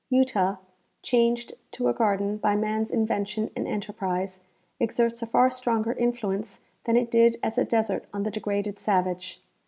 Utah, changed to a garden by man's invention and enterprise, exerts a far stronger influence than it did as a desert on the degraded savage.